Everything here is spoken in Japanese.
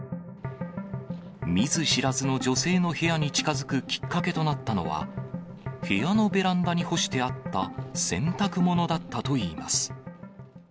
見ず知らずの女性の部屋に近づくきっかけとなったのは、部屋のベランダに干してあった洗濯物だったといいます。